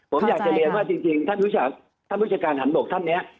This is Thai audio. ผมอยากจะเรียนว่าแท่งวิชาการถัดบกท่านเนี่ย